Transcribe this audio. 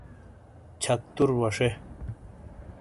چھکتُر وَشے۔